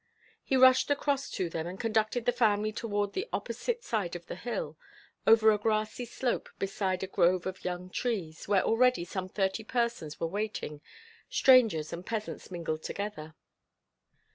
He rushed across to them, and conducted the family toward the opposite side of the hill, over a grassy slope beside a grove of young trees, where already some thirty persons were waiting, strangers and peasants mingled together.